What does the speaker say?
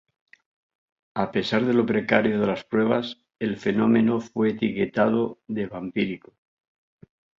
A pesar de lo precario de las pruebas, el fenómeno fue etiquetado de "vampírico".